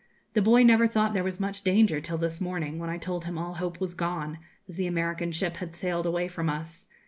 The boy never thought there was much danger till this morning, when I told him all hope was gone, as the American ship had sailed away from us.